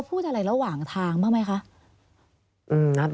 พูดอะไรระหว่างทางบ้างไหมคะ